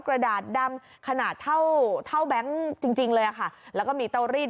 กระดาษดำขนาดเท่าเท่าแบงค์จริงจริงเลยอะค่ะแล้วก็มีเตารีด